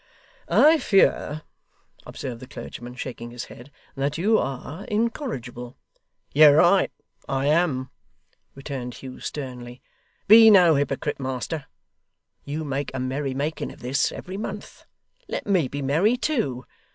'I fear,' observed the clergyman, shaking his head, 'that you are incorrigible.' 'You're right. I am,' rejoined Hugh sternly. 'Be no hypocrite, master! You make a merry making of this, every month; let me be merry, too.